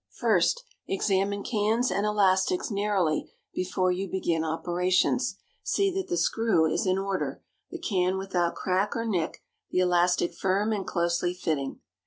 First, examine cans and elastics narrowly before you begin operations. See that the screw is in order, the can without crack or nick, the elastic firm and closely fitting.